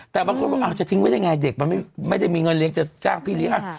แต่บางคนบอกจะทิ้งไว้ยังไงเด็กมันไม่ได้มีเงินเลี้ยจะจ้างพี่เลี้ยง